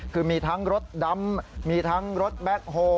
คือมีทั้งรถดำมีทั้งรถแบ็คโฮ